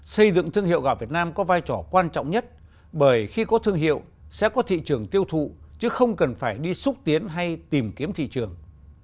xây dựng thương hiệu gạo việt nam có vai trò quan trọng nhất bởi khi có thương hiệu sẽ có thị trường tiêu thụ chứ không cần phải đi xúc tiến hay tìm kiếm thị trường